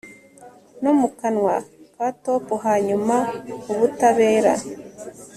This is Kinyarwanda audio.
No mu kanwa ka top Hanyuma ubutabera